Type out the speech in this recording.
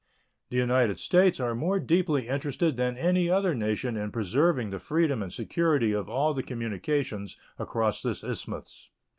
The United States are more deeply interested than any other nation in preserving the freedom and security of all the communications across this isthmus.